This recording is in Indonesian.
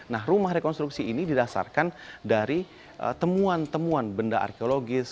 nah rumah rekonstruksi ini didasarkan dari temuan temuan benda arkeologis